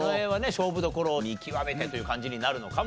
勝負どころを見極めてという感じになるのかもしれません。